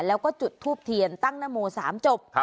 แล้วก็จุดทูบเทียนตั้งนโม๓จบ